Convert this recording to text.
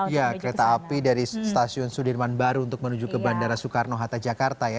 ya kereta api dari stasiun sudirman baru untuk menuju ke bandara soekarno hatta jakarta ya